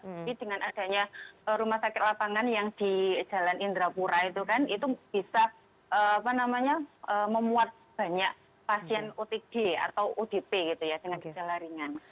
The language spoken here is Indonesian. jadi dengan adanya rumah sakit lapangan yang di jalan indrapura itu kan itu bisa apa namanya memuat banyak pasien otp atau udp gitu ya dengan jalan ringan